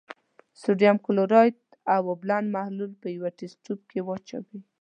د سوډیم کلورایډ اوبلن محلول په یوه تست تیوب کې واچوئ.